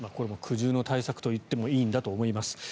苦渋の対策と言ってもいいんだと思います。